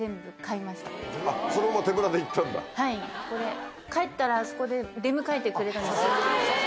はいこれ帰ったらあそこで出迎えてくれたんですスーツケース。